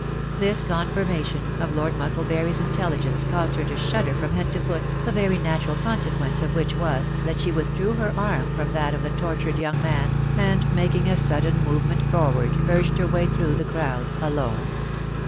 This confirmation of Lord Mucklebury's intelligence caused her to shudder from head to foot, a very natural consequence of which was, that she withdrew her arm from that of the tortured young man, and making a sudden movement forward, urged her way through the crowd alone.